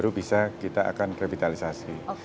dan itu bisa kita akan revitalisasi